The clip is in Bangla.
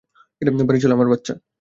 বাড়ি চল, আমার বাচ্চা।